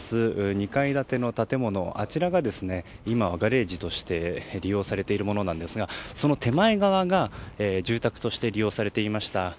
２階建ての建物あちらが今、ガレージとして利用されているものですがその手前側が住宅として利用されていました。